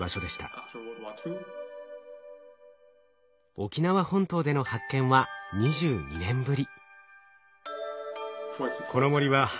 沖縄本島での発見は２２年ぶり。